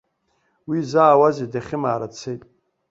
Уи изаауазеи, дахьымаара дцеит!